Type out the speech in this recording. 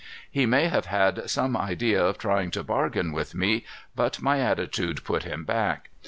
He may have had some idea of trying to bargain with me, but my attitude put him back.